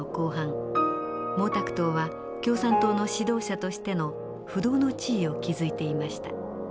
毛沢東は共産党の指導者としての不動の地位を築いていました。